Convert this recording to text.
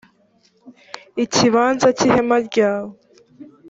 ikibanza cy’ihema ryawe.